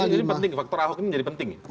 jadi ini penting faktor ahok ini menjadi penting ya